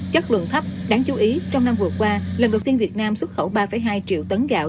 chất lượng thấp đáng chú ý trong năm vừa qua lần đầu tiên việt nam xuất khẩu ba hai triệu tấn gạo